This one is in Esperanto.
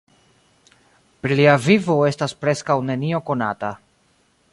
Pri lia vivo estas preskaŭ nenio konata.